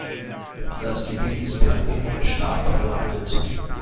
Das Gebiet ist bergig und stark bewaldet.